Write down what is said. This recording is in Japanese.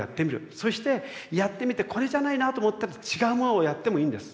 そしてやってみてこれじゃないなと思ったら違うものをやってもいいんです。